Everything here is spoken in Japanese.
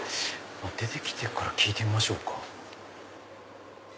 出てきてから聞いてみましょうか。